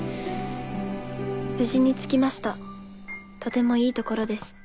「無事に着きましたとてもいいところです。